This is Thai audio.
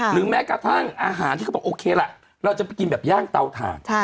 แม้กระทั่งอาหารที่เขาบอกโอเคล่ะเราจะไปกินแบบย่างเตาถ่าน